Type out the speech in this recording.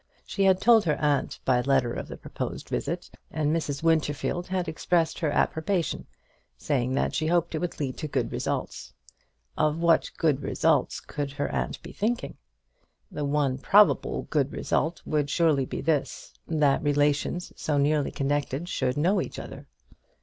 She had told her aunt by letter of the proposed visit, and Mrs. Winterfield had expressed her approbation, saying that she hoped it would lead to good results. Of what good results could her aunt be thinking? The one probable good result would surely be this that relations so nearly connected should know each other.